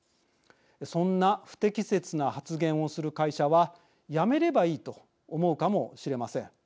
そんな不適切な発言をする会社は辞めればいいと思うかもしれません。